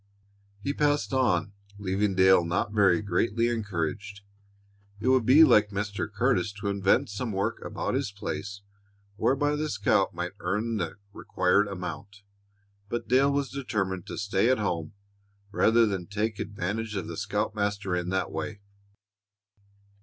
He passed on, leaving Dale not very greatly encouraged. It would be like Mr. Curtis to invent some work about his place whereby the scout might earn the required amount, but Dale was determined to stay at home rather than take advantage of the scoutmaster in that way.